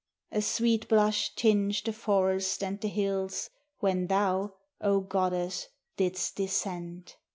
A sweet blush tinged the forest and the hills When thou, O Goddess, didst descend.